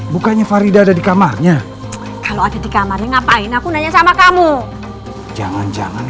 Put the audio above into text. bukannya farida ada di kamarnya kalau ada di kamarnya ngapain aku nanya sama kamu jangan jangan